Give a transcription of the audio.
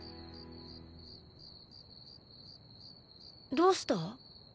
どうした？